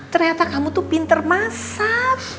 ternyata kamu tuh pintar masak